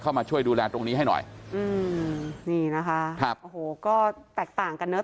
เข้ามาช่วยดูแลตรงนี้ให้หน่อยอืมนี่นะคะครับโอ้โหก็แตกต่างกันเนอ